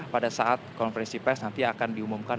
pada saat konferensi pes nanti akan diumumkan